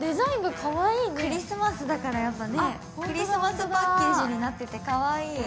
クリスマスだからクリスマスパッケージになっていてかわいい。